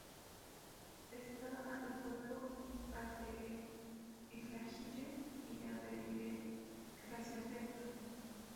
Está a del pueblo, a de İslahiye y a de Gaziantep.